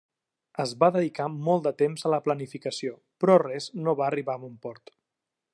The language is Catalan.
Es va dedicar molt de temps a la planificació, però res no va arribar a bon port.